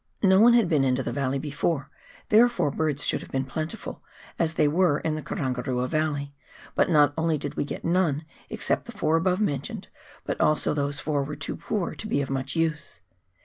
No one had been into the valley before, therefore birds should have been plentiful, as they were in the Karangarua Valley, but not only did we get none except the four above mentioned, but also those four were too poor to be of much use.